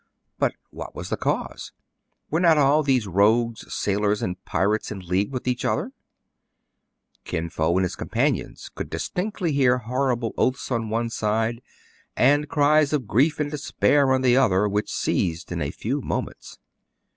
But what was the cause } Were not all these rogues, sailors, and piratés in league with each other } Kin Fo and his companions could distinctly hear horrible oaths on one side, and cries of grief and despair on the other,, which ceased in a few moments.